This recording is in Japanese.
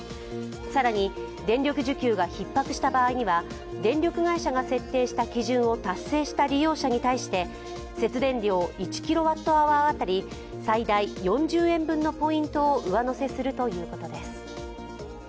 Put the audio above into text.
更に電力需給がひっ迫した場合には電力会社が設定した基準を達成した利用者に対して節電量１ｋＷｈ当たり最大４０円分のポイントを上乗せするということです。